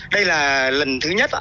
đây là lần thứ nhất